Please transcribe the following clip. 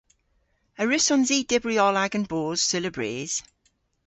A wrussons i dybri oll agan boos seulabrys?